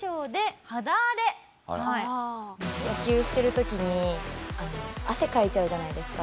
野球してる時に汗かいちゃうじゃないですか。